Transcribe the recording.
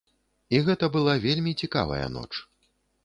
І гэта была вельмі цікавая ноч.